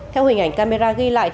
theo hình ảnh camera ghi lại